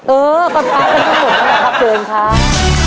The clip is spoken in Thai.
เอออ้ำกำหนดก็ได้ครับเชิญครับ